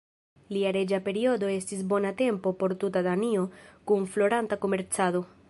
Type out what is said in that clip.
Lia reĝa periodo estis bona tempo por tuta Danio kun floranta komercado.